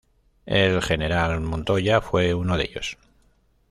El general Montoya fue uno de ellos.